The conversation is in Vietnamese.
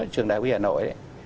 trường đại quý hà nội